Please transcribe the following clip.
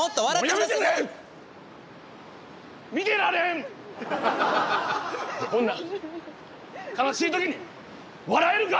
こんな悲しいときに笑えるか！